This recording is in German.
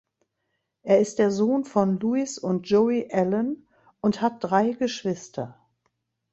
Er ist der Sohn von Louis und Joey Allen und hat drei Geschwister.